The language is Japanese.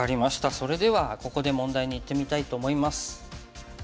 それではここで問題にいってみたいと思います。